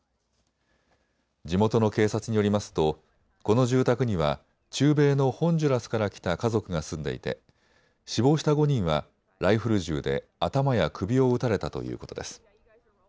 地元の警察によりますとこの住宅には中米のホンジュラスから来た家族が住んでいて死亡した５人はライフル銃で頭や首を撃たれたということです。